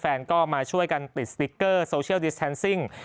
แฟนก็มาช่วยกันติดสติ๊กเกอร์โซเชียลดิสแทนซิ่ง